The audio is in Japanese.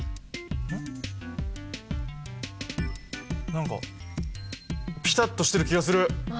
何かピタッとしてる気がする。